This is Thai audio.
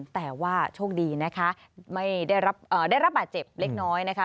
แต่ว่าโชคดีนะคะไม่ได้รับบาดเจ็บเล็กน้อยนะคะ